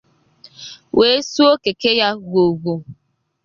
wee suo Keke ya gwogwoo.